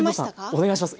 お願いします。